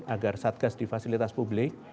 agar satgas di fasilitas publik